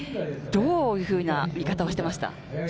どういうふうな見方をしていました？